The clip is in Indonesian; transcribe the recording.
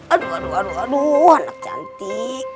aduh aduh aduh anak cantik